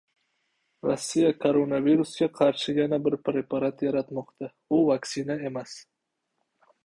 Rossiya koronavirusga qarshi yana bir preparat yaratmoqda: u vaksina emas